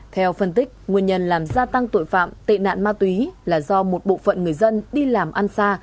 theo phân tích nguyên nhân làm gia tăng tội phạm tệ nạn ma túy là do một bộ phận người dân đi làm ăn xa